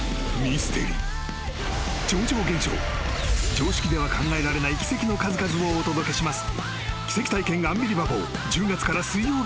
［常識では考えられない奇跡の数々をお届けします］